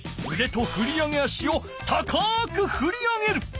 うでとふり上げ足を高くふり上げる。